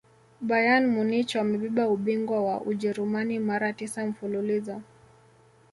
bayern munich wamebeba ubingwa wa ujerumani mara tisa mfululizo